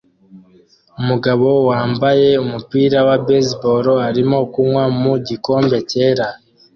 Umugabo wambaye umupira wa baseball arimo kunywa mu gikombe cyera